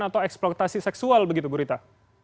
atau eksploitasi seksual begitu bu rita